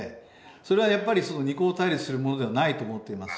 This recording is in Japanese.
それはやっぱり二項対立するものではないと思っています。